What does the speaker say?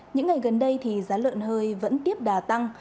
những ngày gần đây thì giá lợn hơi vẫn tiếp đà tăng